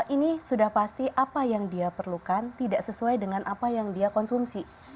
ini sudah pasti apa yang dia perlukan tidak sesuai dengan apa yang dia konsumsi